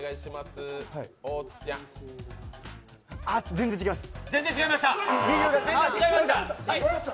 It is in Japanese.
全然違います。